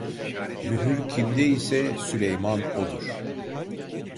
Mühür kimde ise Süleyman odur.